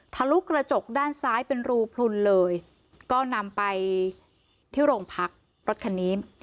ลุกระจกด้านซ้ายเป็นรูพลุนเลยก็นำไปที่โรงพักรถคันนี้